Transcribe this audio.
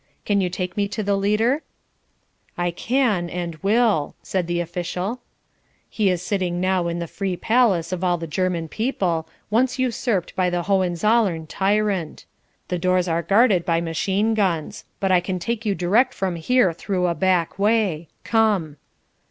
Can you take me to the Leader?" "I can and will," said the official. "He is sitting now in the Free Palace of all the German People, once usurped by the Hohenzollern Tyrant. The doors are guarded by machine guns. But I can take you direct from here through a back way. Come."